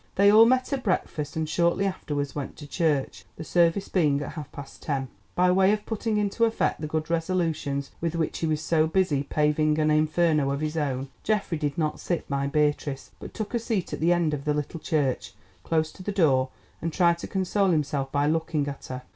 They all met at breakfast and shortly afterwards went to church, the service being at half past ten. By way of putting into effect the good resolutions with which he was so busy paving an inferno of his own, Geoffrey did not sit by Beatrice, but took a seat at the end of the little church, close to the door, and tried to console himself by looking at her.